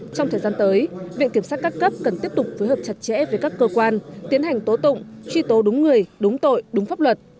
trong thời gian tới viện kiểm sát các cấp cần tiếp tục phối hợp chặt chẽ với các cơ quan tiến hành tố tụng truy tố đúng người đúng tội đúng pháp luật